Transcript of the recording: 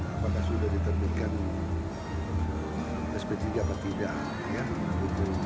apakah sudah diterbitkan sp tiga atau tidak